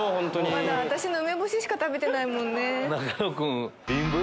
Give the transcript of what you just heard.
まだ私の梅干ししか食べてないもんね。